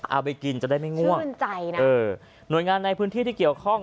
เอาไปกินจะได้ไม่ง่วงชื่นใจนะเออหน่วยงานในพื้นที่ที่เกี่ยวข้อง